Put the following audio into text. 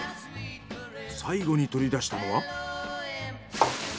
最後に取り出したのは。